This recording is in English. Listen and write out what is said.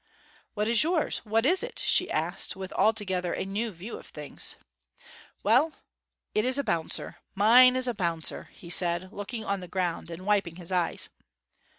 'What is yours what is it?' she asked, with altogether a new view of things. 'Well it is a bouncer; mine is a bouncer!' said he, looking on the ground and wiping his eyes.